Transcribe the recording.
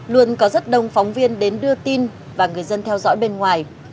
luôn có rất đông phóng viên đến đưa tin và người dân theo dõi bên ngoài